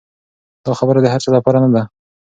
دا خبره د هر چا لپاره نه ده.